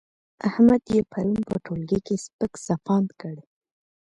احمد يې پرون په ټولګي کې سپک سپاند کړ.